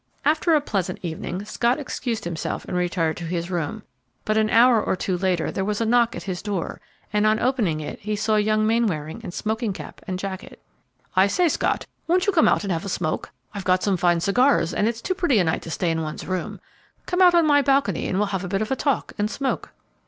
After a pleasant evening, Scott excused himself and retired to his room; but an hour or two later there was a knock at his door, and on opening it he saw young Mainwaring in smoking cap and jacket. "I say, Scott, won't you come out and have a smoke? I've got some fine cigars, and it's too pretty a night to stay in one's room; come out on my balcony and we'll have a bit of a talk and smoke."